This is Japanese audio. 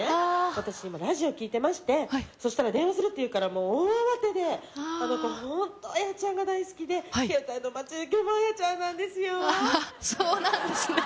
私今ラジオ聴いてましてそしたら電話するっていうからもう大慌てであの子ホントあやちゃんが大好きで携帯の待ち受けもあやちゃんなんですよそうなんですね